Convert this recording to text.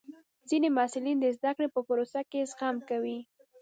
ځینې محصلین د زده کړې په پروسه کې زغم کوي.